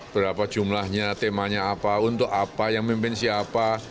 berapa jumlahnya temanya apa untuk apa yang memimpin siapa